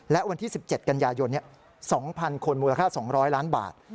และวันที่๑๗กันยายน๒๐๐คนมูลค่า๒๐๐ล้านบาท